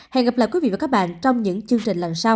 hẹn gặp lại quý vị và các bạn trong những chương trình lần sau